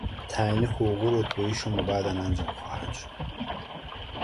تعیین حقوق و رتبهی شما بعدا انجام خواهد شد.